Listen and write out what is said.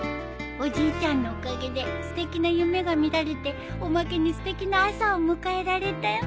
おじいちゃんのおかげですてきな夢が見られておまけにすてきな朝を迎えられたよ。